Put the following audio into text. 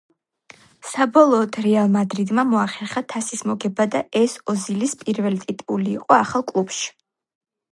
საბოლოოდ „რეალ მადრიდმა“ მოახერხა თასის მოგება და ეს ოზილის პირველი ტიტული იყო ახალ კლუბში.